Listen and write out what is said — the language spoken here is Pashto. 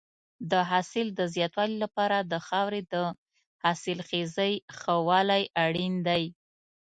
د حاصل د زیاتوالي لپاره د خاورې د حاصلخېزۍ ښه والی اړین دی.